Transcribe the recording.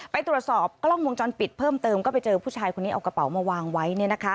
ไปตรวจสอบกล้องวงจรปิดเพิ่มเติมก็ไปเจอผู้ชายคนนี้เอากระเป๋ามาวางไว้